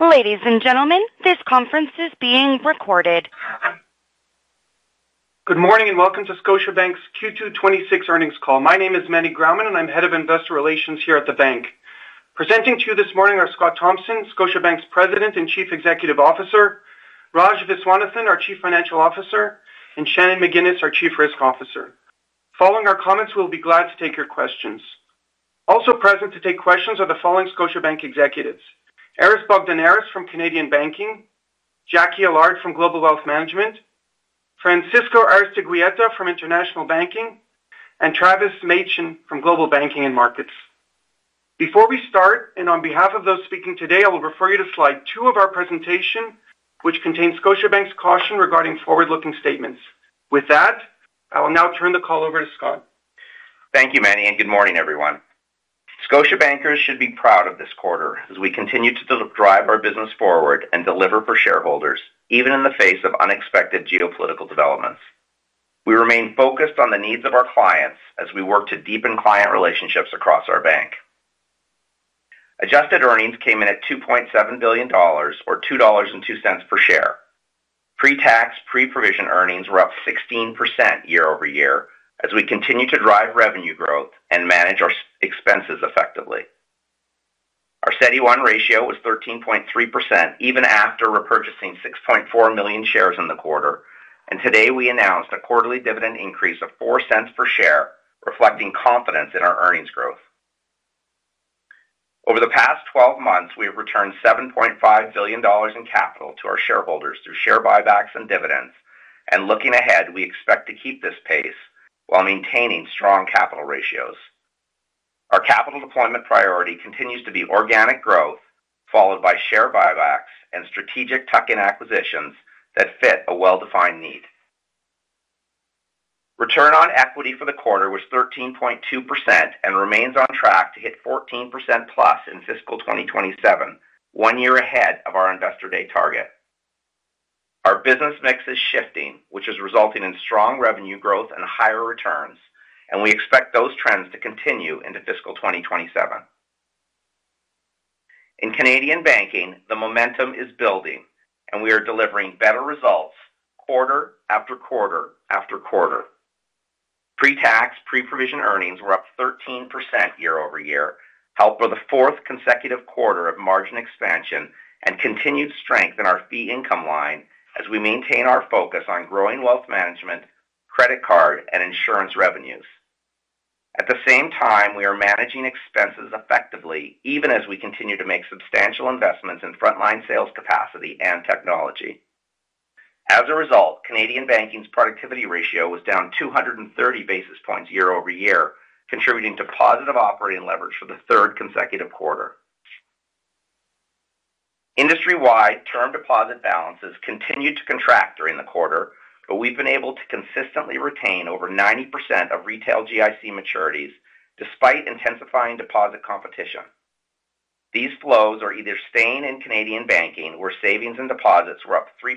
Good morning, welcome to Scotiabank's Q2 2026 earnings call. My name is Meny Grauman, I'm Head of Investor Relations here at the bank. Presenting to you this morning are Scott Thomson, Scotiabank's President and Chief Executive Officer, Raj Viswanathan, our Chief Financial Officer, and Shannon McGinnis, our Chief Risk Officer. Following our comments, we'll be glad to take your questions. Also present to take questions are the following Scotiabank executives, Aris Bogdaneris from Canadian Banking, Jacqui Allard from Global Wealth Management, Francisco Aristeguieta from International Banking, and Travis Machen from Global Banking and Markets. Before we start, on behalf of those speaking today, I will refer you to slide two of our presentation, which contains Scotiabank's caution regarding forward-looking statements. With that, I will now turn the call over to Scott. Thank you, Meny, and good morning, everyone. Scotiabankers should be proud of this quarter as we continue to drive our business forward and deliver for shareholders, even in the face of unexpected geopolitical developments. We remain focused on the needs of our clients as we work to deepen client relationships across our bank. Adjusted earnings came in at 2.7 billion dollars, or 2.02 dollars per share. Pre-tax, pre-provision earnings were up 16% year-over-year as we continue to drive revenue growth and manage our expenses effectively. Our CET1 ratio was 13.3%, even after repurchasing 6.4 million shares in the quarter. Today, we announced a quarterly dividend increase of 0.04 per share, reflecting confidence in our earnings growth. Over the past 12 months, we have returned 7.5 billion dollars in capital to our shareholders through share buybacks and dividends. Looking ahead, we expect to keep this pace while maintaining strong capital ratios. Our capital deployment priority continues to be organic growth, followed by share buybacks and strategic tuck-in acquisitions that fit a well-defined need. Return on equity for the quarter was 13.2% and remains on track to hit 14%+ in fiscal 2027, one year ahead of our investor day target. Our business mix is shifting, which is resulting in strong revenue growth and higher returns, and we expect those trends to continue into fiscal 2027. In Canadian Banking, the momentum is building, and we are delivering better results quarter, after quarter, after quarter. Pre-tax, pre-provision earnings were up 13% year-over-year, helped with a fourth consecutive quarter of margin expansion and continued strength in our fee income line as we maintain our focus on growing Wealth Management, credit card, and insurance revenues. At the same time, we are managing expenses effectively, even as we continue to make substantial investments in frontline sales capacity and technology. As a result, Canadian Banking's productivity ratio was down 230 basis points year-over-year, contributing to positive operating leverage for the third consecutive quarter. Industry-wide term deposit balances continued to contract during the quarter, but we've been able to consistently retain over 90% of retail GIC maturities despite intensifying deposit competition. These flows are either staying in Canadian Banking, where savings and deposits were up 3%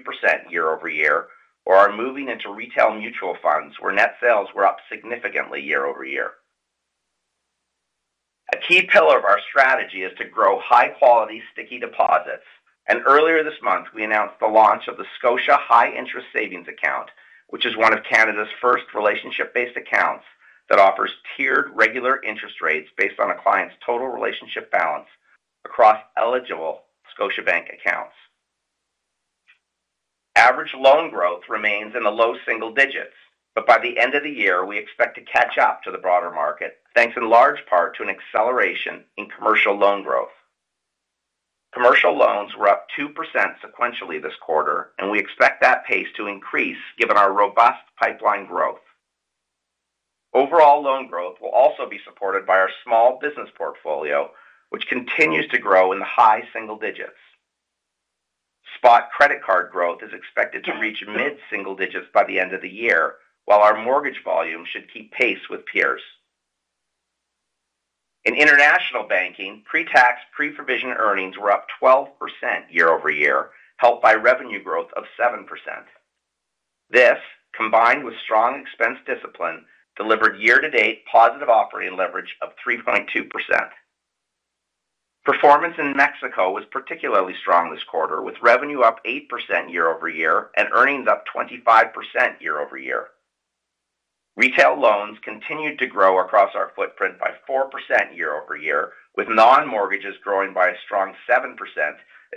year-over-year, or are moving into retail mutual funds, where net sales were up significantly year-over-year. A key pillar of our strategy is to grow high-quality, sticky deposits. Earlier this month, we announced the launch of the Scotia High Interest Savings Account, which is one of Canada's first relationship-based accounts that offers tiered regular interest rates based on a client's total relationship balance across eligible Scotiabank accounts. Average loan growth remains in the low single digits, by the end of the year, we expect to catch up to the broader market, thanks in large part to an acceleration in commercial loan growth. Commercial loans were up 2% sequentially this quarter, we expect that pace to increase given our robust pipeline growth. Overall loan growth will also be supported by our small business portfolio, which continues to grow in the high single digits. Spot credit card growth is expected to reach mid-single digits by the end of the year, while our mortgage volume should keep pace with peers. In International Banking, pre-tax, pre-provision earnings were up 12% year-over-year, helped by revenue growth of 7%. This, combined with strong expense discipline, delivered year-to-date positive operating leverage of 3.2%. Performance in Mexico was particularly strong this quarter, with revenue up 8% year-over-year and earnings up 25% year-over-year. Retail loans continued to grow across our footprint by 4% year-over-year, with non-mortgages growing by a strong 7%,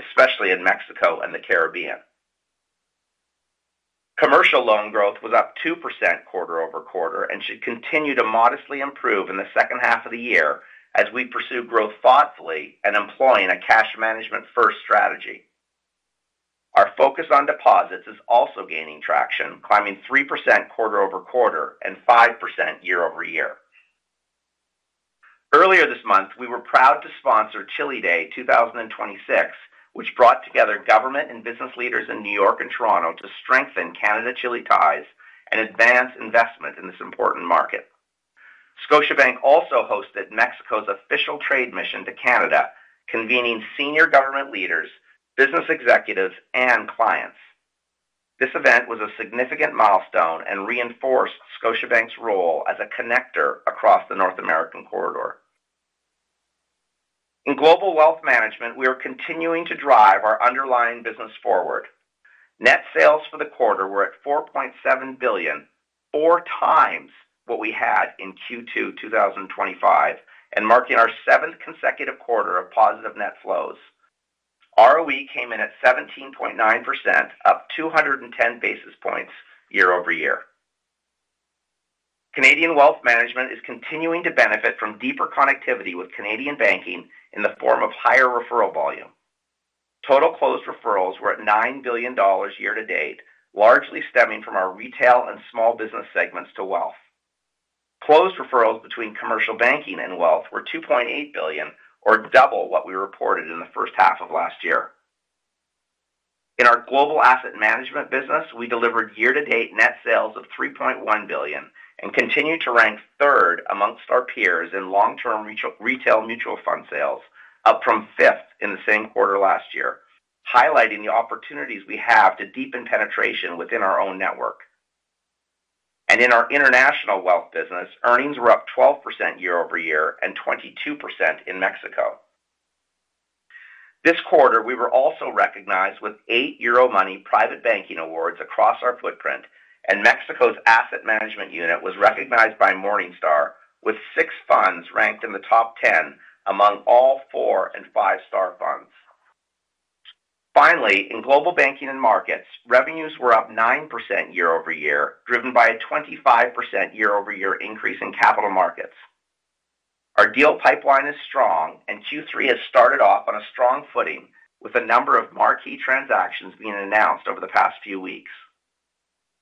especially in Mexico and the Caribbean. Commercial loan growth was up 2% quarter-over-quarter and should continue to modestly improve in the second half of the year as we pursue growth thoughtfully and employing a cash management first strategy. Our focus on deposits is also gaining traction, climbing 3% quarter-over-quarter and 5% year-over-year. Earlier this month, we were proud to sponsor Chile Day 2026, which brought together government and business leaders in New York and Toronto to strengthen Canada-Chile ties and advance investment in this important market. Scotiabank also hosted Mexico's official trade mission to Canada, convening senior government leaders, business executives, and clients. This event was a significant milestone and reinforced Scotiabank's role as a connector across the North American corridor. In Global Wealth Management, we are continuing to drive our underlying business forward. Net sales for the quarter were at 4.7 billion, four times what we had in Q2 2025, and marking our seventh consecutive quarter of positive net flows. ROE came in at 17.9%, up 210 basis points year-over-year. Canadian wealth management is continuing to benefit from deeper connectivity with Canadian Banking in the form of higher referral volume. Total closed referrals were at 9 billion dollars year-to-date, largely stemming from our retail and small business segments to wealth. Closed referrals between commercial banking and wealth were 2.8 billion, or double what we reported in the first half of last year. In our global asset management business, we delivered year-to-date net sales of 3.1 billion and continue to rank third amongst our peers in long-term retail mutual fund sales, up from fifth in the same quarter last year, highlighting the opportunities we have to deepen penetration within our own network. In our international wealth business, earnings were up 12% year-over-year and 22% in Mexico. This quarter, we were also recognized with eight Euromoney Private Banking Awards across our footprint, and Mexico's asset management unit was recognized by Morningstar, with six funds ranked in the top 10 among all four and five-star funds. Finally, in Global Banking and Markets, revenues were up 9% year over year, driven by a 25% year over year increase in capital markets. Our deal pipeline is strong, and Q3 has started off on a strong footing with a number of marquee transactions being announced over the past few weeks.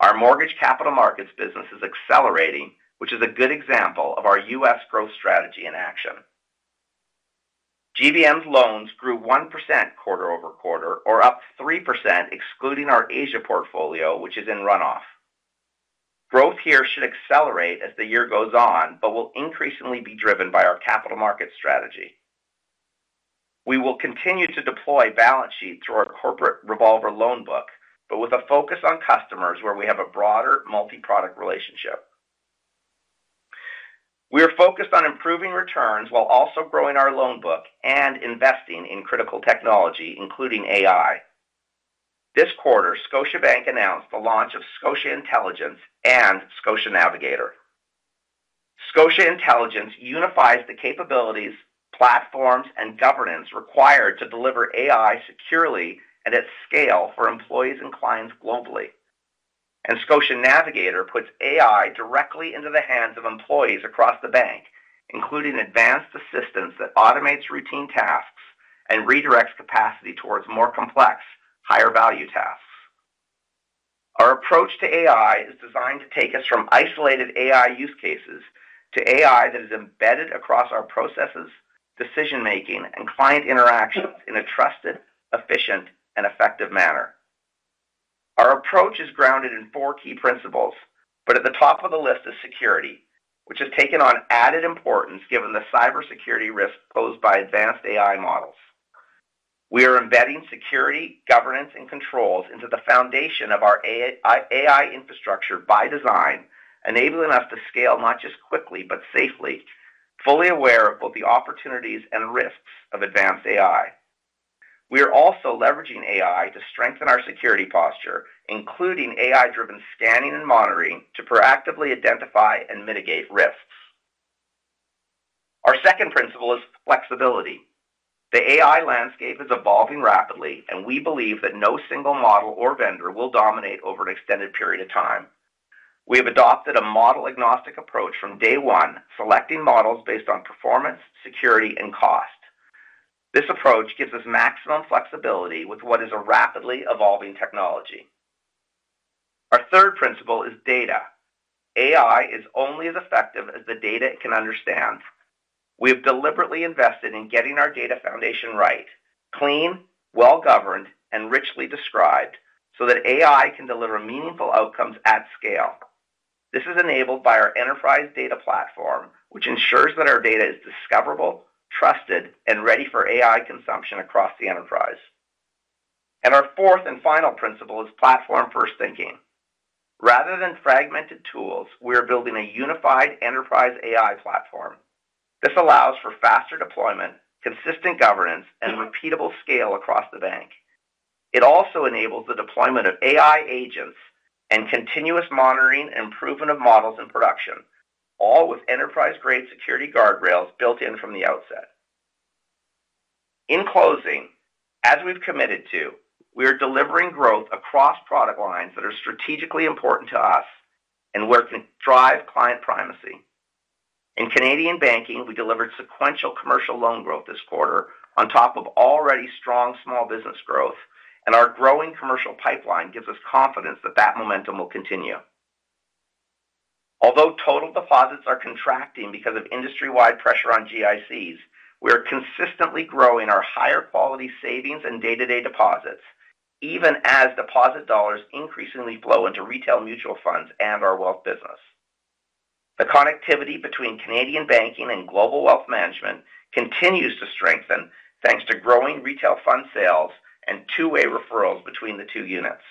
Our mortgage capital markets business is accelerating, which is a good example of our U.S. growth strategy in action. GBM's loans grew 1% quarter over quarter or up 3% excluding our Asia portfolio, which is in runoff. Growth here should accelerate as the year goes on, but will increasingly be driven by our capital market strategy. We will continue to deploy balance sheet through our corporate revolver loan book, but with a focus on customers where we have a broader multi-product relationship. We are focused on improving returns while also growing our loan book and investing in critical technology, including AI. This quarter, Scotiabank announced the launch of Scotia Intelligence and Scotia Navigator. Scotia Intelligence unifies the capabilities, platforms, and governance required to deliver AI securely and at scale for employees and clients globally. Scotia Navigator puts AI directly into the hands of employees across the bank, including advanced assistance that automates routine tasks and redirects capacity towards more complex, higher-value tasks. Our approach to AI is designed to take us from isolated AI use cases to AI that is embedded across our processes, decision-making, and client interactions in a trusted, efficient, and effective manner. Our approach is grounded in four key principles, at the top of the list is security, which has taken on added importance given the cybersecurity risk posed by advanced AI models. We are embedding security, governance, and controls into the foundation of our AI infrastructure by design, enabling us to scale not just quickly, but safely, fully aware of both the opportunities and risks of advanced AI. We are also leveraging AI to strengthen our security posture, including AI-driven scanning and monitoring to proactively identify and mitigate risks. Our second principle is flexibility. The AI landscape is evolving rapidly, we believe that no single model or vendor will dominate over an extended period of time. We have adopted a model-agnostic approach from day one, selecting models based on performance, security, and cost. This approach gives us maximum flexibility with what is a rapidly evolving technology. Our third principle is data. AI is only as effective as the data it can understand. We have deliberately invested in getting our data foundation right, clean, well-governed, and richly described so that AI can deliver meaningful outcomes at scale. This is enabled by our enterprise data platform, which ensures that our data is discoverable, trusted, and ready for AI consumption across the enterprise. Our fourth and final principle is platform-first thinking. Rather than fragmented tools, we are building a unified enterprise AI platform. This allows for faster deployment, consistent governance, and repeatable scale across the bank. It also enables the deployment of AI agents and continuous monitoring and proving of models in production, all with enterprise-grade security guardrails built in from the outset. In closing, as we've committed to, we are delivering growth across product lines that are strategically important to us and where it can drive client primacy. In Canadian Banking, we delivered sequential commercial loan growth this quarter on top of already strong small business growth, and our growing commercial pipeline gives us confidence that that momentum will continue. Although total deposits are contracting because of industry-wide pressure on GICs, we are consistently growing our higher quality savings and day-to-day deposits, even as deposit dollars increasingly flow into retail mutual funds and our wealth business. The connectivity between Canadian Banking and Global Wealth Management continues to strengthen thanks to growing retail fund sales and two-way referrals between the two units.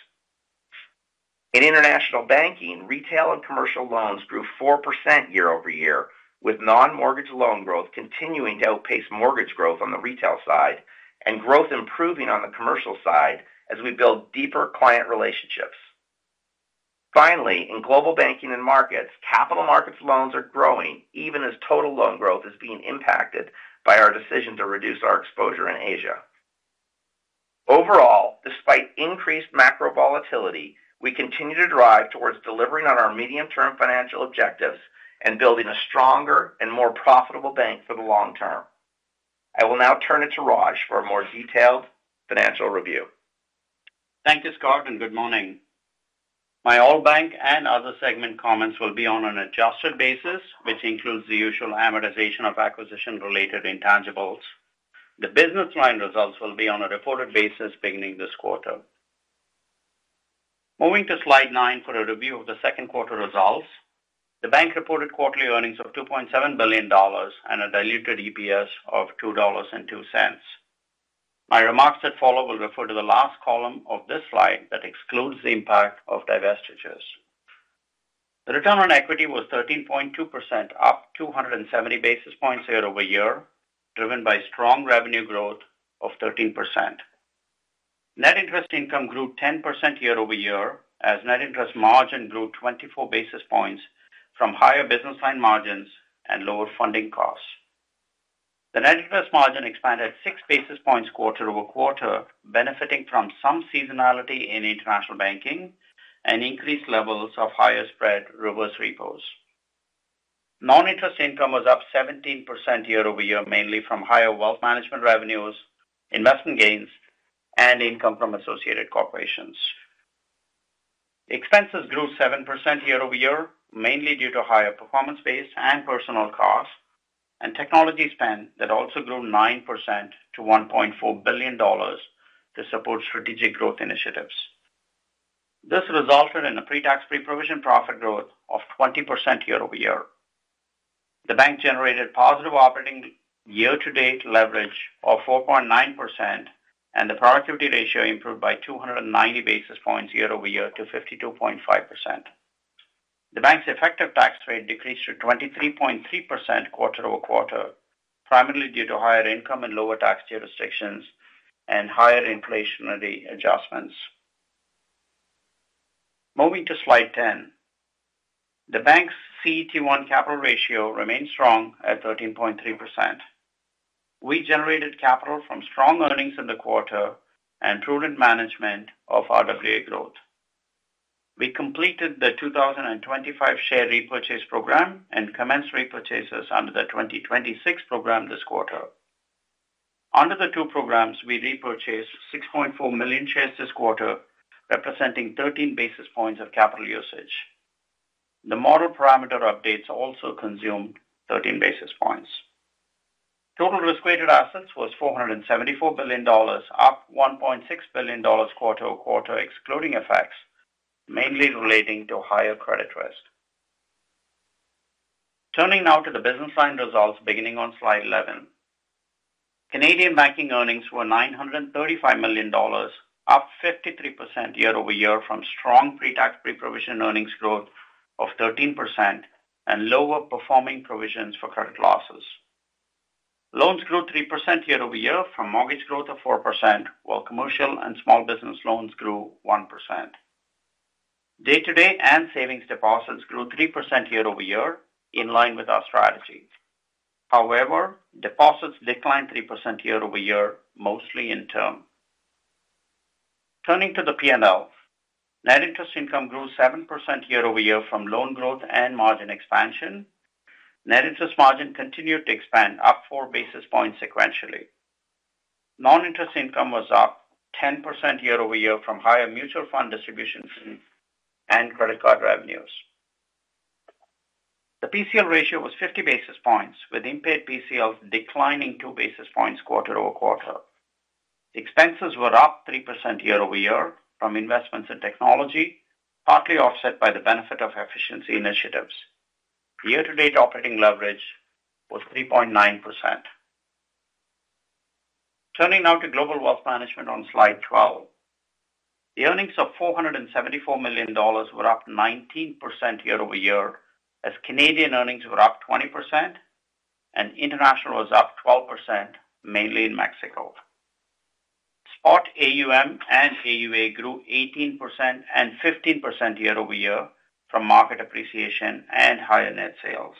In International Banking, retail and commercial loans grew 4% year-over-year, with non-mortgage loan growth continuing to outpace mortgage growth on the retail side and growth improving on the commercial side as we build deeper client relationships. Finally, in Global Banking and Markets, capital markets loans are growing even as total loan growth is being impacted by our decision to reduce our exposure in Asia. Overall, despite increased macro volatility, we continue to drive towards delivering on our medium-term financial objectives and building a stronger and more profitable bank for the long term. I will now turn it to Raj for a more detailed financial review. Thank you, Scott, and good morning. My all bank and other segment comments will be on an adjusted basis, which includes the usual amortization of acquisition-related intangibles. The business line results will be on a reported basis beginning this quarter. Moving to slide nine for a review of the second quarter results. The bank reported quarterly earnings of 2.7 billion dollars and a diluted EPS of 2.02 dollars. My remarks that follow will refer to the last column of this slide that excludes the impact of divestitures. The return on equity was 13.2%, up 270 basis points year-over-year, driven by strong revenue growth of 13%. Net interest income grew 10% year-over-year, as net interest margin grew 24 basis points from higher business line margins and lower funding costs. The net interest margin expanded 6 basis points quarter-over-quarter, benefiting from some seasonality in International Banking and increased levels of higher spread reverse repos. Non-interest income was up 17% year-over-year, mainly from higher Wealth Management revenues, investment gains, and income from associated corporations. Expenses grew 7% year-over-year, mainly due to higher performance-based and personal costs and technology spend that also grew 9% to 1.4 billion dollars to support strategic growth initiatives. This resulted in a pre-tax pre-provision profit growth of 20% year-over-year. The bank generated positive operating year-to-date leverage of 4.9%, and the productivity ratio improved by 290 basis points year-over-year to 52.5%. The bank's effective tax rate decreased to 23.3% quarter-over-quarter, primarily due to higher income and lower tax jurisdictions and higher inflationary adjustments. Moving to slide 10. The bank's CET1 capital ratio remains strong at 13.3%. We generated capital from strong earnings in the quarter and prudent management of RWA growth. We completed the 2025 share repurchase program and commenced repurchases under the 2026 program this quarter. Under the two programs, we repurchased 6.4 million shares this quarter, representing 13 basis points of capital usage. The model parameter updates also consumed 13 basis points. Total risk-weighted assets was 474 billion dollars, up 1.6 billion dollars quarter-over-quarter, excluding effects, mainly relating to higher credit risk. Turning now to the business line results beginning on slide 11. Canadian Banking earnings were 935 million dollars, up 53% year-over-year from strong pre-tax pre-provision earnings growth of 13% and lower-performing provisions for credit losses. Loans grew 3% year-over-year from mortgage growth of 4%, while commercial and small business loans grew 1%. Day-to-day and savings deposits grew 3% year-over-year, in line with our strategy. Deposits declined 3% year-over-year, mostly in term. Turning to the P&L. Net interest income grew 7% year-over-year from loan growth and margin expansion. Net interest margin continued to expand, up four basis points sequentially. Non-interest income was up 10% year-over-year from higher mutual fund distributions and credit card revenues. The PCL ratio was 50 basis points, with impaired PCLs declining two basis points quarter-over-quarter. Expenses were up 3% year-over-year from investments in technology, partly offset by the benefit of efficiency initiatives. Year-to-date operating leverage was 3.9%. Turning now to Global Wealth Management on slide 12. The earnings of 474 million dollars were up 19% year-over-year as Canadian earnings were up 20% and International was up 12%, mainly in Mexico. Spot AUM and AUA grew 18% and 15% year-over-year from market appreciation and higher net sales.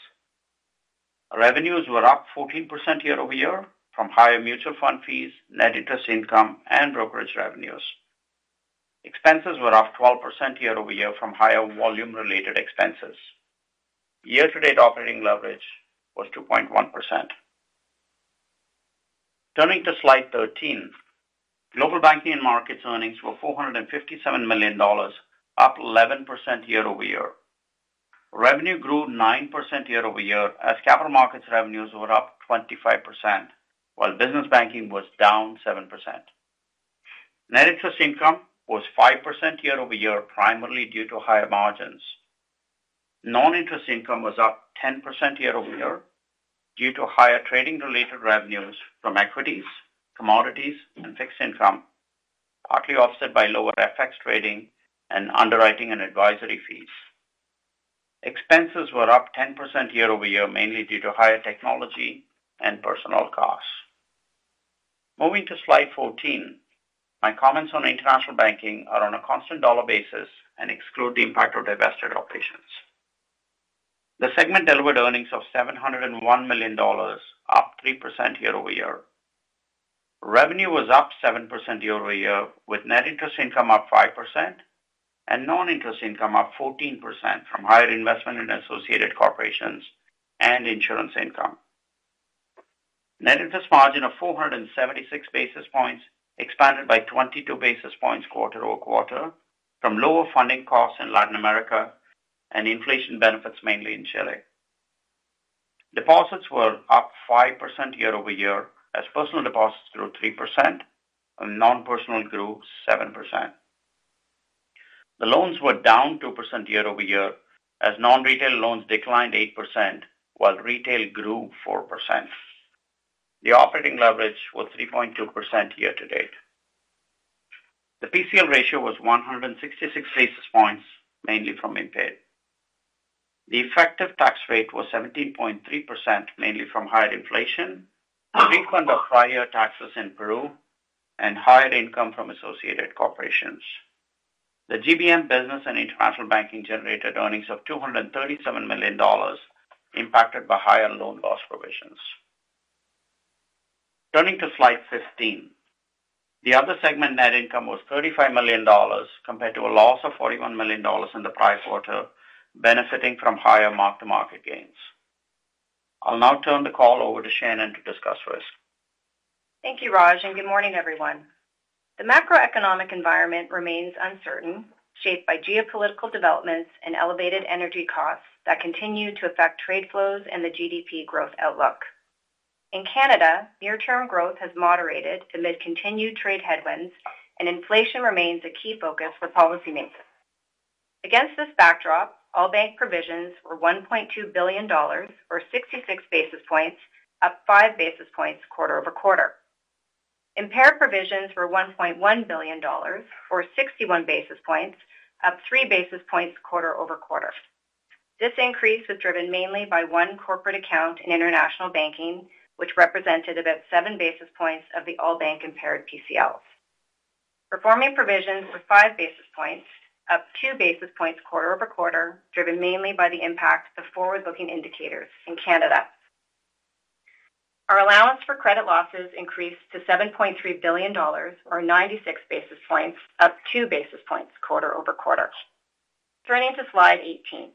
Revenues were up 14% year-over-year from higher mutual fund fees, net interest income, and brokerage revenues. Expenses were up 12% year-over-year from higher volume-related expenses. Year-to-date operating leverage was 2.1%. Turning to slide 13. Global Banking and Markets earnings were 457 million dollars, up 11% year-over-year. Revenue grew 9% year-over-year as capital markets revenues were up 25%, while business banking was down 7%. Net interest income was 5% year-over-year, primarily due to higher margins. Non-interest income was up 10% year-over-year due to higher trading-related revenues from equities, commodities, and fixed income, partly offset by lower FX trading and underwriting and advisory fees. Expenses were up 10% year-over-year, mainly due to higher technology and personnel costs. Moving to Slide 14, my comments on International Banking are on a constant dollar basis and exclude the impact of divested operations. The segment delivered earnings of 701 million dollars, up 3% year-over-year. Revenue was up 7% year-over-year, with net interest income up 5% and non-interest income up 14% from higher investment in associated corporations and insurance income. Net interest margin of 476 basis points expanded by 22 basis points quarter-over-quarter from lower funding costs in Latin America and inflation benefits mainly in Chile. Deposits were up 5% year-over-year as personal deposits grew 3% and non-personal grew 7%. The loans were down 2% year-over-year, as non-retail loans declined 8% while retail grew 4%. The operating leverage was 3.2% year to date. The PCL ratio was 166 basis points, mainly from impaired. The effective tax rate was 17.3%, mainly from higher inflation, the refund of prior taxes in Peru, and higher income from associated corporations. The GBM Business in International Banking generated earnings of 237 million dollars, impacted by higher loan loss provisions. Turning to Slide 15. The other segment net income was 35 million dollars compared to a loss of 41 million dollars in the prior quarter, benefiting from higher mark-to-market gains. I'll now turn the call over to Shannon to discuss risk. Thank you, Raj, and good morning, everyone. The macroeconomic environment remains uncertain, shaped by geopolitical developments and elevated energy costs that continue to affect trade flows and the GDP growth outlook. In Canada, near-term growth has moderated amid continued trade headwinds, and inflation remains a key focus for policymakers. Against this backdrop, all bank provisions were 1.2 billion dollars, or 66 basis points, up five basis points quarter-over-quarter. Impaired provisions were 1.1 billion dollars, or 61 basis points, up three basis points quarter-over-quarter. This increase was driven mainly by one corporate account in International Banking, which represented about seven basis points of the all-bank impaired PCLs. Performing provisions were five basis points, up two basis points quarter-over-quarter, driven mainly by the impact of forward-looking indicators in Canada. Our allowance for credit losses increased to 7.3 billion dollars, or 96 basis points, up two basis points quarter-over-quarter. Turning to Slide 18.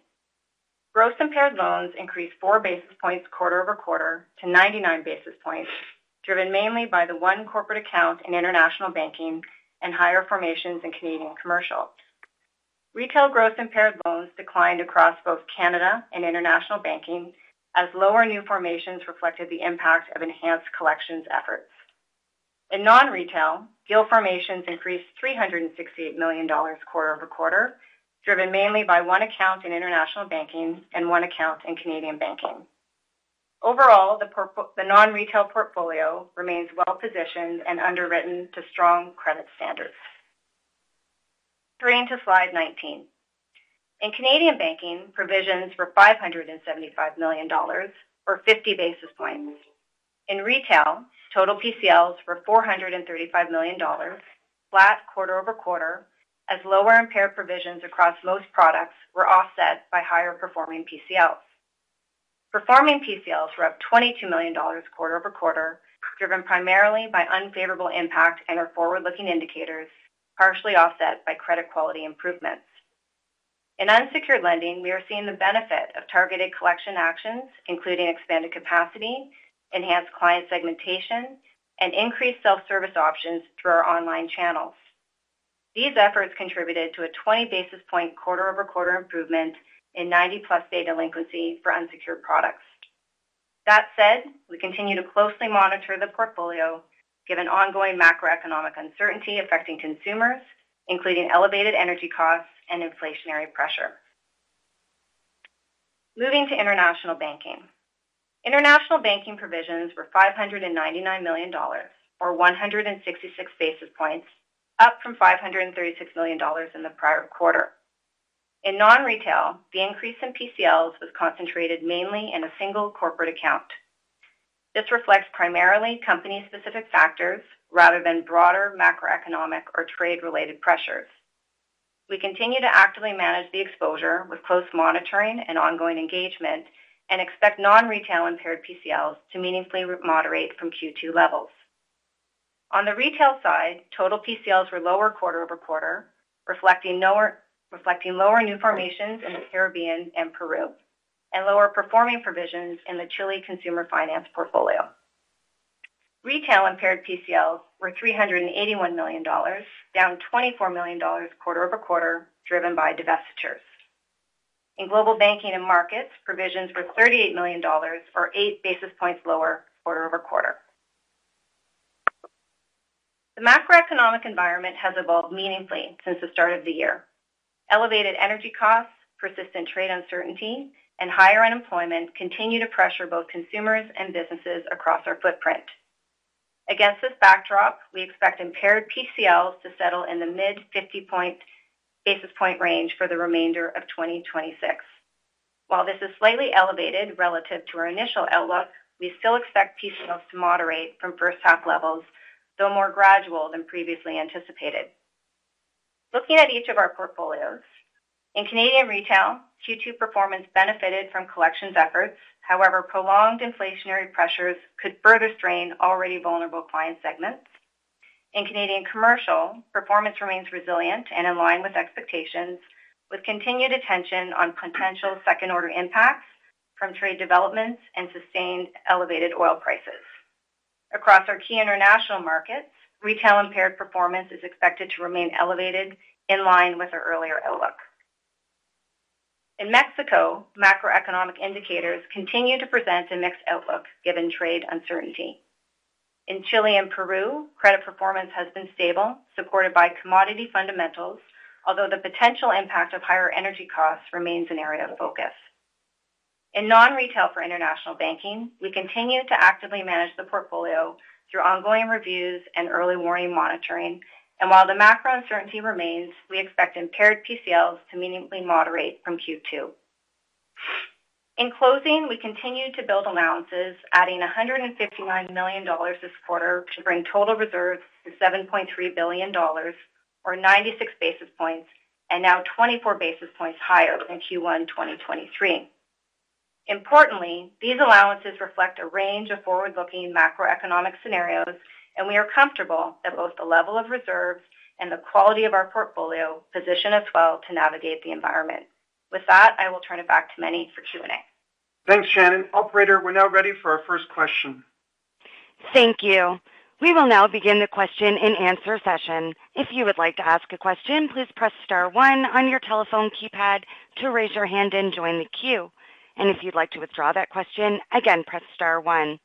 Gross impaired loans increased four basis points quarter-over-quarter to 99 basis points, driven mainly by the one corporate account in International Banking and higher formations in Canadian commercial. Retail gross impaired loans declined across both Canada and International Banking as lower new formations reflected the impact of enhanced collections efforts. In non-retail, deal formations increased 368 million dollars quarter-over-quarter, driven mainly by one account in International Banking and one account in Canadian Banking. Overall, the non-retail portfolio remains well-positioned and underwritten to strong credit standards. Turning to Slide 19. In Canadian Banking, provisions were 575 million dollars, or 50 basis points. In retail, total PCLs were 435 million dollars, flat quarter-over-quarter, as lower impaired provisions across most products were offset by higher performing PCLs. Performing PCLs were up 22 million dollars quarter-over-quarter, driven primarily by unfavorable impact in our forward-looking indicators, partially offset by credit quality improvements. In unsecured lending, we are seeing the benefit of targeted collection actions, including expanded capacity, enhanced client segmentation, and increased self-service options through our online channels. These efforts contributed to a 20 basis point quarter-over-quarter improvement in 90-plus day delinquency for unsecured products. That said, we continue to closely monitor the portfolio given ongoing macroeconomic uncertainty affecting consumers, including elevated energy costs and inflationary pressure. Moving to International Banking. International Banking provisions were 599 million dollars, or 166 basis points, up from 536 million dollars in the prior quarter. In non-retail, the increase in PCLs was concentrated mainly in a single corporate account. This reflects primarily company-specific factors rather than broader macroeconomic or trade-related pressures. We continue to actively manage the exposure with close monitoring and ongoing engagement and expect non-retail impaired PCLs to meaningfully moderate from Q2 levels. On the retail side, total PCLs were lower quarter-over-quarter, reflecting lower new formations in the Caribbean and Peru and lower performing provisions in the Chile consumer finance portfolio. Retail impaired PCLs were 381 million dollars, down 24 million dollars quarter-over-quarter, driven by divestitures. In Global Banking and Markets, provisions were 38 million dollars or eight basis points lower quarter-over-quarter. The macroeconomic environment has evolved meaningfully since the start of the year. Elevated energy costs, persistent trade uncertainty, and higher unemployment continue to pressure both consumers and businesses across our footprint. Against this backdrop, we expect impaired PCLs to settle in the mid-50 basis point range for the remainder of 2026. While this is slightly elevated relative to our initial outlook, we still expect PCLs to moderate from first half levels, though more gradual than previously anticipated. Looking at each of our portfolios, in Canadian Retail, Q2 performance benefited from collections efforts. Prolonged inflationary pressures could further strain already vulnerable client segments. In Canadian Commercial, performance remains resilient and in line with expectations, with continued attention on potential second-order impacts from trade developments and sustained elevated oil prices. Across our key International Markets, retail impaired performance is expected to remain elevated in line with our earlier outlook. In Mexico, macroeconomic indicators continue to present a mixed outlook given trade uncertainty. In Chile and Peru, credit performance has been stable, supported by commodity fundamentals, although the potential impact of higher energy costs remains an area of focus. In non-retail for International Banking, we continue to actively manage the portfolio through ongoing reviews and early warning monitoring. While the macro uncertainty remains, we expect impaired PCLs to meaningfully moderate from Q2. In closing, we continue to build allowances, adding 159 million dollars this quarter to bring total reserves to 7.3 billion dollars, or 96 basis points, and now 24 basis points higher than Q1 2023. Importantly, these allowances reflect a range of forward-looking macroeconomic scenarios, and we are comfortable that both the level of reserves and the quality of our portfolio position us well to navigate the environment. With that, I will turn it back to Meny for Q&A. Thanks, Shannon. Operator, we're now ready for our first question. Thank you. We will now begin the question and answer session. If you would like to ask a question, please press star one on your telephone keypad to raise your hand and join the queue. If you'd like to withdraw that question, again, press star one.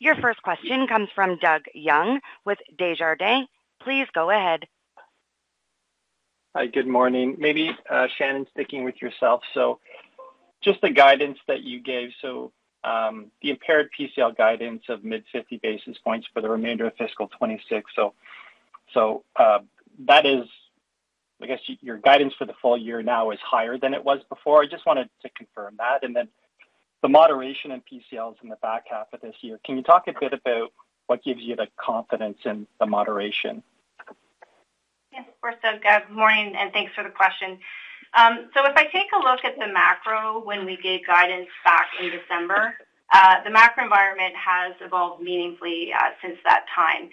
Your first question comes from Doug Young with Desjardins. Please go ahead. Hi, good morning. Maybe, Shannon, sticking with yourself. Just the guidance that you gave, so the impaired PCL guidance of mid-50 basis points for the remainder of fiscal 2026. That is, I guess, your guidance for the full year now is higher than it was before. I just wanted to confirm that. The moderation in PCLs in the back half of this year, can you talk a bit about what gives you the confidence in the moderation? Yeah, of course, Doug. Good morning. Thanks for the question. If I take a look at the macro when we gave guidance back in December, the macro environment has evolved meaningfully since that time.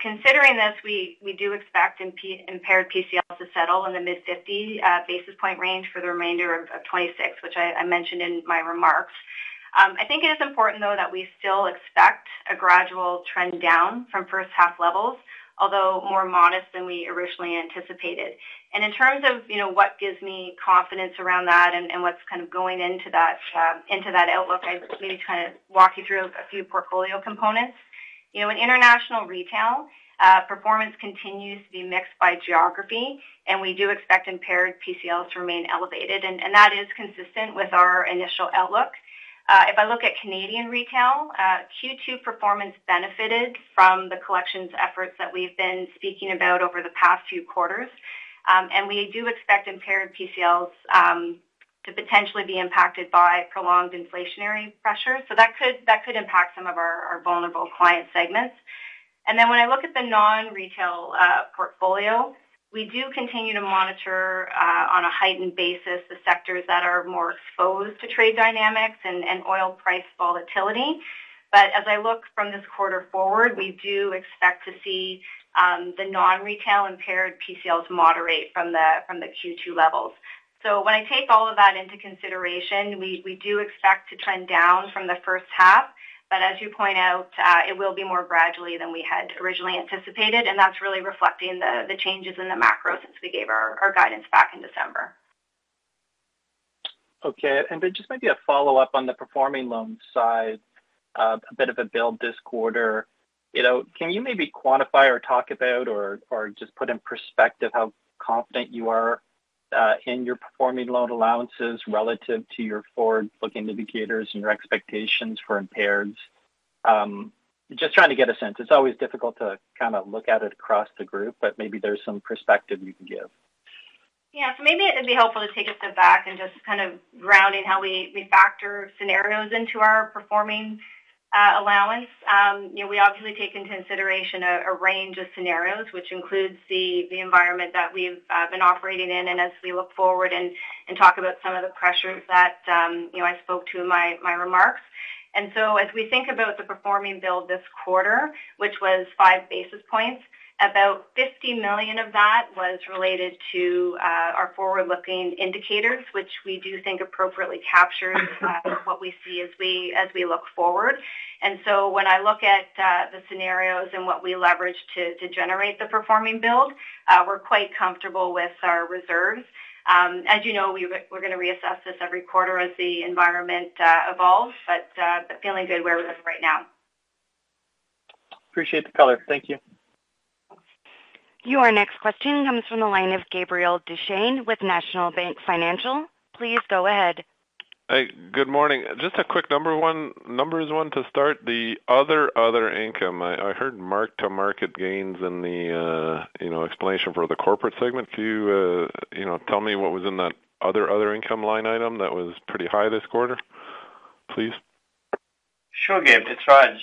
Considering this, we do expect impaired PCLs to settle in the mid-50 basis point range for the remainder of 2026, which I mentioned in my remarks. I think it is important, though, that we still expect a gradual trend down from first half levels, although more modest than we originally anticipated. In terms of what gives me confidence around that and what's kind of going into that outlook, I just maybe kind of walk you through a few portfolio components. In international retail, performance continues to be mixed by geography, and we do expect impaired PCLs to remain elevated, and that is consistent with our initial outlook. If I look at Canadian retail, Q2 performance benefited from the collections efforts that we've been speaking about over the past few quarters, we do expect impaired PCLs to potentially be impacted by prolonged inflationary pressure. That could impact some of our vulnerable client segments. When I look at the non-retail portfolio, we do continue to monitor on a heightened basis the sectors that are more exposed to trade dynamics and oil price volatility. As I look from this quarter forward, we do expect to see the non-retail impaired PCLs moderate from the Q2 levels. When I take all of that into consideration, we do expect to trend down from the first half. As you point out, it will be more gradually than we had originally anticipated, and that's really reflecting the changes in the macro since we gave our guidance back in December. Okay. Just maybe a follow-up on the performing loan side, a bit of a build this quarter. Can you maybe quantify or talk about or just put in perspective how confident you are in your performing loan allowances relative to your forward-looking indicators and your expectations for impaired? Just trying to get a sense. It's always difficult to kind of look at it across the group, maybe there's some perspective you can give. Maybe it'd be helpful to take a step back and just kind of grounding in how we factor scenarios into our performing allowance. We obviously take into consideration a range of scenarios, which includes the environment that we've been operating in and as we look forward and talk about some of the pressures that I spoke to in my remarks. As we think about the performing build this quarter, which was five basis points, about 50 million of that was related to our forward-looking indicators, which we do think appropriately captures what we see as we look forward. When I look at the scenarios and what we leverage to generate the performing build. We're quite comfortable with our reserves. As you know, we're going to reassess this every quarter as the environment evolves, but feeling good where we are right now. Appreciate the color. Thank you. Your next question comes from the line of Gabriel Dechaine with National Bank Financial. Please go ahead. Hey, good morning. Just a quick numbers one to start the other income. I heard mark-to-market gains in the explanation for the corporate segment. Could you tell me what was in that other income line item that was pretty high this quarter, please? Sure, Gabe. It's Raj.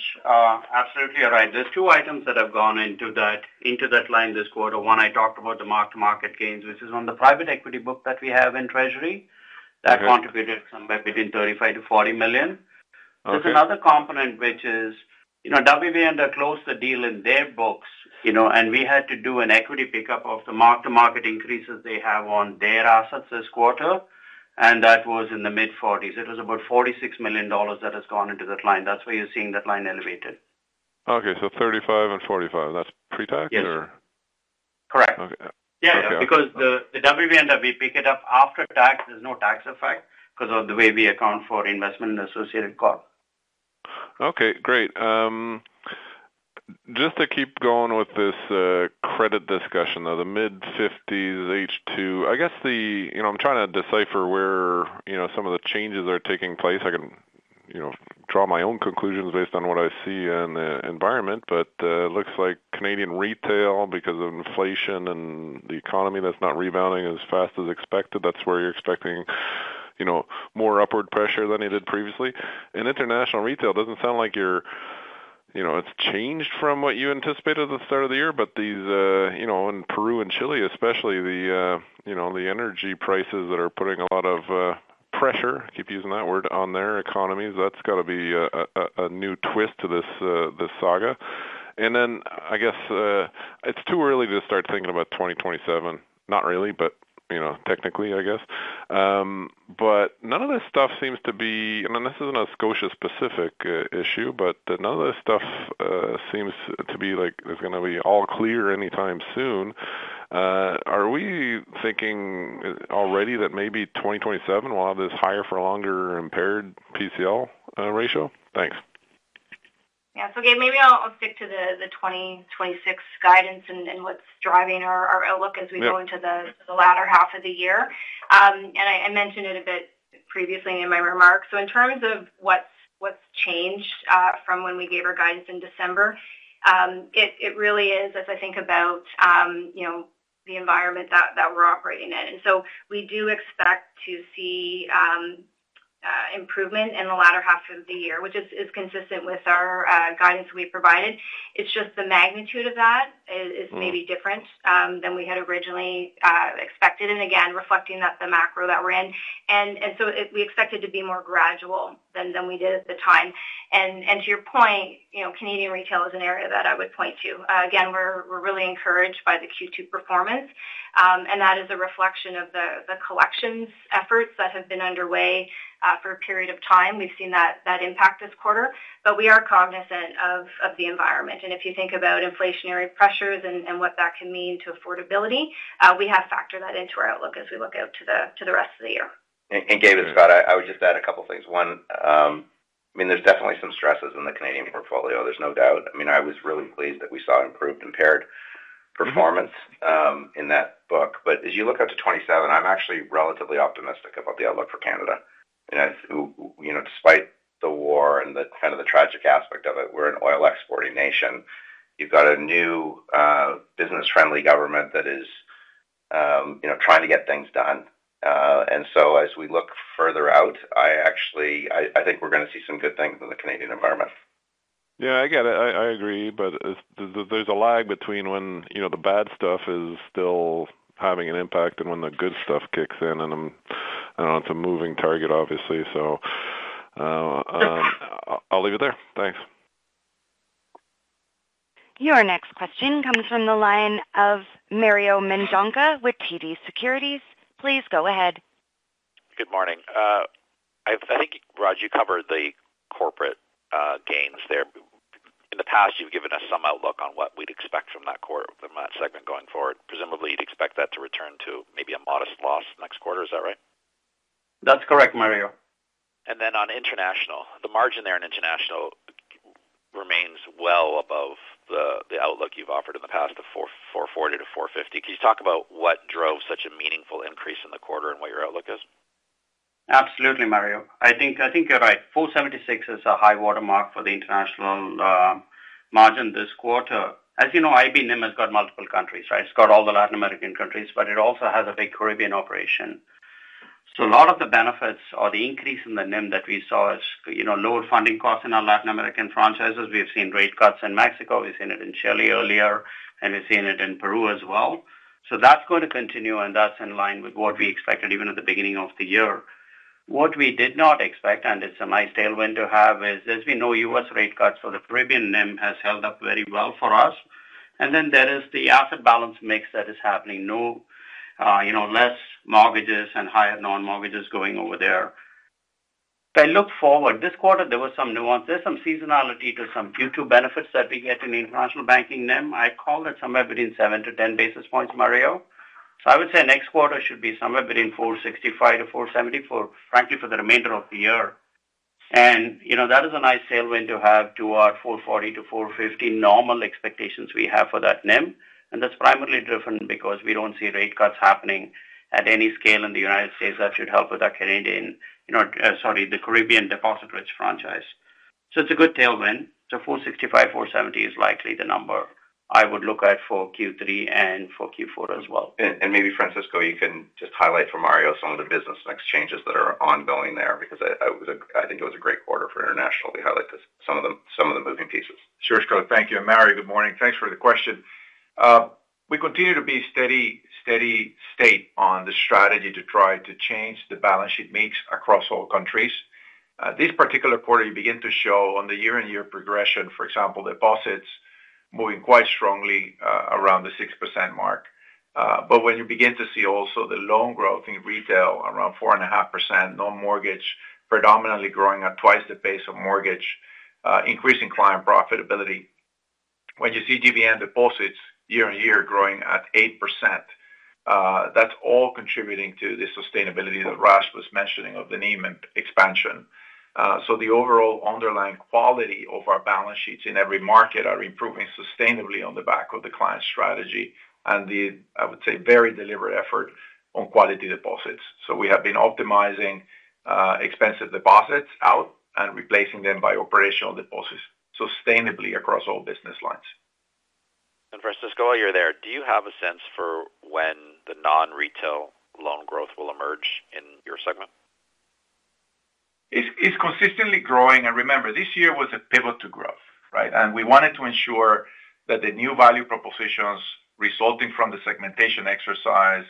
Absolutely, you're right. There's two items that have gone into that line this quarter. One, I talked about the mark-to-market gains, which is on the private equity book that we have in treasury. That contributed somewhere between 35 million-40 million. There's another component, which is WB ended up closing the deal in their books. We had to do an equity pickup of the mark-to-market increases they have on their assets this quarter. That was in the mid-40s. It was about 46 million dollars that has gone into that line. That's why you're seeing that line elevated. Okay, 35 and 45. That's pre-tax or? Yes. Correct. Okay. Yeah, because the WB end, we pick it up after tax. There's no tax effect because of the way we account for investment in associated corp. Okay, great. Just to keep going with this credit discussion of the mid-50s H2, I'm trying to decipher where some of the changes are taking place. I can draw my own conclusions based on what I see in the environment, but it looks like Canadian Retail, because of inflation and the economy that's not rebounding as fast as expected, that's where you're expecting more upward pressure than you did previously. In International Retail, doesn't sound like it's changed from what you anticipated at the start of the year, but these in Peru and Chile especially, the energy prices that are putting a lot of pressure, keep using that word, on their economies, that's got to be a new twist to this saga. I guess it's too early to start thinking about 2027. Not really, but technically, I guess. This isn't a Scotia-specific issue, but none of this stuff seems to be like it's going to be all clear anytime soon. Are we thinking already that maybe 2027 we'll have this higher for longer impaired PCL ratio? Thanks. Yeah. Gabe, maybe I'll stick to the 2026 guidance and what's driving our outlook as we go into the latter half of the year. I mentioned it a bit previously in my remarks. In terms of what's changed from when we gave our guidance in December, it really is, as I think about the environment that we're operating in. We do expect to see improvement in the latter half of the year, which is consistent with our guidance we provided. It's just the magnitude of that is maybe different than we had originally expected, and again, reflecting that the macro that we're in. To your point, Canadian retail is an area that I would point to. Again, we're really encouraged by the Q2 performance, and that is a reflection of the collections efforts that have been underway for a period of time. We've seen that impact this quarter, but we are cognizant of the environment. If you think about inflationary pressures and what that can mean to affordability, we have factored that into our outlook as we look out to the rest of the year. Gabe and Scott, I would just add a couple of things. One, there's definitely some stresses in the Canadian portfolio. There's no doubt. I was really pleased that we saw improved impaired performance in that book. As you look out to 2027, I'm actually relatively optimistic about the outlook for Canada. Despite the war and the tragic aspect of it, we're an oil-exporting nation. You've got a new business-friendly government that is trying to get things done. As we look further out, I think we're going to see some good things in the Canadian environment. Yeah, I get it. I agree. There's a lag between when the bad stuff is still having an impact and when the good stuff kicks in, and it's a moving target, obviously. I'll leave it there. Thanks. Your next question comes from the line of Mario Mendonca with TD Securities. Please go ahead. Good morning. I think, Raj, you covered the corporate gains there. In the past, you've given us some outlook on what we'd expect from that segment going forward. Presumably, you'd expect that to return to maybe a modest loss next quarter. Is that right? That's correct, Mario. On international, the margin there in international remains well above the outlook you've offered in the past, the 440-450. Can you talk about what drove such a meaningful increase in the quarter and what your outlook is? Absolutely, Mario. I think you're right. 476 is a high watermark for the International margin this quarter. As you know, IB NIM has got multiple countries, right? It's got all the Latin American countries, but it also has a big Caribbean operation. A lot of the benefits or the increase in the NIM that we saw is lower funding costs in our Latin American franchises. We've seen rate cuts in Mexico, we've seen it in Chile earlier, and we've seen it in Peru as well. That's going to continue, and that's in line with what we expected even at the beginning of the year. What we did not expect, and it's a nice tailwind to have, is as we know, U.S. rate cuts for the Caribbean NIM has held up very well for us. Then there is the asset balance mix that is happening. Less mortgages and higher non-mortgages going over there. I look forward, this quarter there was some nuance. There's some seasonality due to benefits that we get in the International Banking NIM. I call that somewhere between 7 to 10 basis points, Mario. I would say next quarter should be somewhere between 465 to 470, frankly, for the remainder of the year. That is a nice tailwind to have to our 440 to 450 normal expectations we have for that NIM, and that's primarily driven because we don't see rate cuts happening at any scale in the U.S. That should help with the Caribbean deposit-rich franchise. It's a good tailwind. 465, 470 is likely the number I would look at for Q3 and for Q4 as well. Maybe Francisco, you can just highlight for Mario some of the business mix changes that are ongoing there, because I think it was a great quarter for International. We highlight some of the moving pieces. Sure, Scott. Thank you. Mario, good morning. Thanks for the question. We continue to be steady state on the strategy to try to change the balance sheet mix across all countries. This particular quarter, you begin to show on the year-over-year progression, for example, deposits moving quite strongly around the 6% mark. When you begin to see also the loan growth in retail around 4.5%, non-mortgage predominantly growing at twice the pace of mortgage, increasing client profitability. When you see GBM deposits year-over-year growing at 8%, that's all contributing to the sustainability that Raj was mentioning of the NIM expansion. The overall underlying quality of our balance sheets in every market are improving sustainably on the back of the client strategy and the, I would say, very deliberate effort on quality deposits. We have been optimizing expensive deposits out and replacing them by operational deposits sustainably across all business lines. Francisco, while you're there, do you have a sense for when the non-retail loan growth will emerge in your segment? It's consistently growing. Remember, this year was a pivot to growth, right? We wanted to ensure that the new value propositions resulting from the segmentation exercise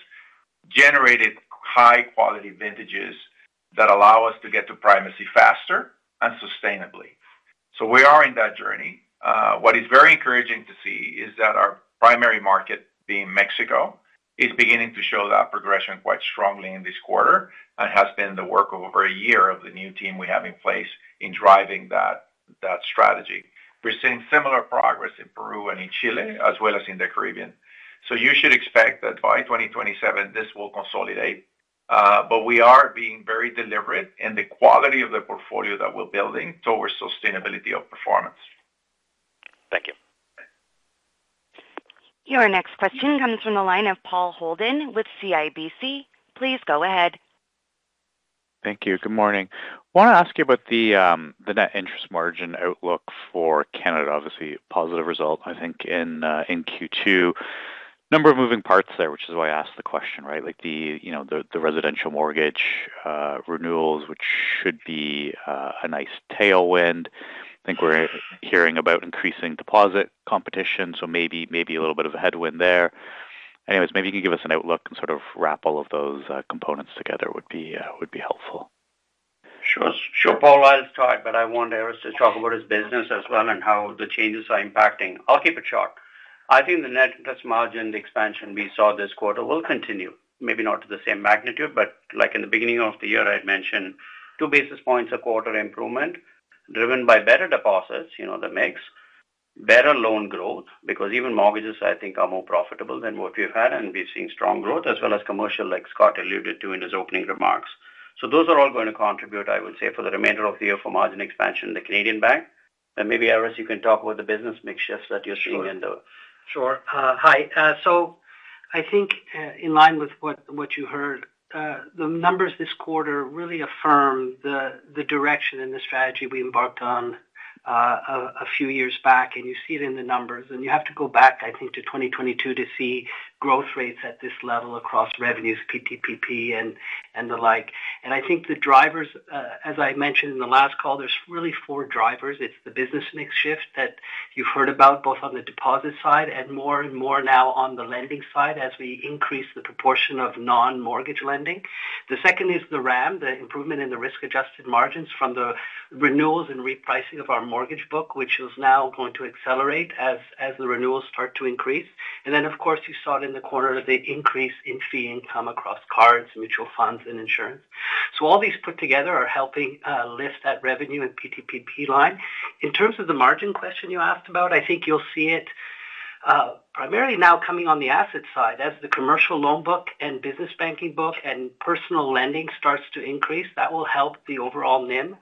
generated high-quality vintages that allow us to get to primacy faster and sustainably. We are on that journey. What is very encouraging to see is that our primary market, being Mexico, is beginning to show that progression quite strongly in this quarter and has been the work of over a year of the new team we have in place in driving that strategy. We're seeing similar progress in Peru and in Chile, as well as in the Caribbean. You should expect that by 2027, this will consolidate. We are being very deliberate in the quality of the portfolio that we're building towards sustainability of performance. Thank you. Your next question comes from the line of Paul Holden with CIBC. Please go ahead. Thank you. Good morning. I want to ask you about the net interest margin outlook for Canada. Obviously, a positive result, I think, in Q2. Number of moving parts there, which is why I ask the question. The residential mortgage renewals, which should be a nice tailwind. I think we're hearing about increasing deposit competition, so maybe a little bit of a headwind there. Maybe you can give us an outlook and sort of wrap all of those components together would be helpful. Sure, Paul. I'll start, but I want Aris to talk about his business as well and how the changes are impacting. I'll keep it short. I think the net interest margin expansion we saw this quarter will continue, maybe not to the same magnitude, but like in the beginning of the year, I had mentioned 2 basis points of quarter improvement driven by better deposits, the mix, better loan growth, because even mortgages I think are more profitable than what we've had, and we're seeing strong growth as well as commercial, like Scott alluded to in his opening remarks. Those are all going to contribute, I would say, for the remainder of the year for margin expansion in the Canadian Banking. Maybe Aris, you can talk about the business mix shifts that you're seeing. Sure. Hi. I think in line with what you heard, the numbers this quarter really affirm the direction and the strategy we embarked on a few years back, and you see it in the numbers. You have to go back, I think, to 2022 to see growth rates at this level across revenues, PTPP, and the like. I think the drivers, as I mentioned in the last call, there's really four drivers. It's the business mix shift that you've heard about, both on the deposit side and more and more now on the lending side as we increase the proportion of non-mortgage lending. The second is the RAM, the improvement in the risk-adjusted margins from the renewals and repricing of our mortgage book, which is now going to accelerate as the renewals start to increase. Of course, you saw it in the quarter, the increase in fee income across cards, mutual funds, and insurance. All these put together are helping lift that revenue and PTPP line. In terms of the margin question you asked about, I think you'll see it primarily now coming on the asset side as the commercial loan book and business banking book and personal lending starts to increase. That will help the overall NIM.